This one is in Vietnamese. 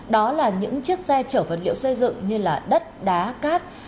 đó là những chiếc xe chở vật liệu xây dựng như là đất đá cát